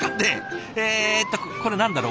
えっとこれ何だろう？